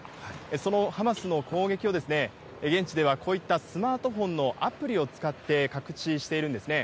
そのハマスの攻撃を現地ではこういったスマートフォンのアプリを使って覚知しているんですね。